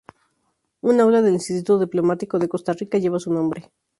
Un aula del Instituto Diplomático de Costa Rica lleva su nombre.